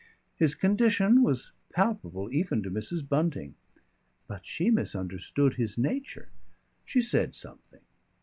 His condition was palpable even to Mrs. Bunting. But she misunderstood his nature. She said something.